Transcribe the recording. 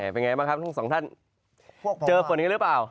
เป็นไงบ้างครับทั้งสองท่านเจอคนนี้หรือเปล่า